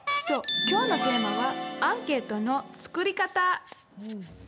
そう、きょうのテーマはアンケートの作り方！